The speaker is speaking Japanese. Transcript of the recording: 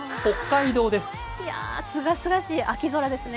すがすがしい秋空ですね。